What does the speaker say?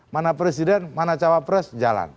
mana presiden mana cawapres jalan